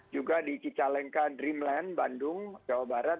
juga di cicalengka dreamland bandung jawa barat